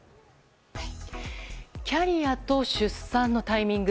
キャリアと出産のタイミング。